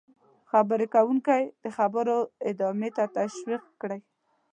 -خبرې کوونکی د خبرو ادامې ته تشویق کړئ: